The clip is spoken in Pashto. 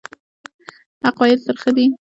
حق ویل ترخه دي